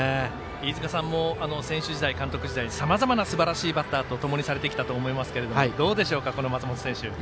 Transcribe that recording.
飯塚さんも選手時代監督時代、さまざまなすばらしバッターとともにしたと思いますがどうでしょうか、松本選手。